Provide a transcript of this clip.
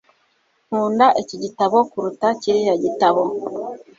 Nkunda iki gitabo kuruta kiriya gitabo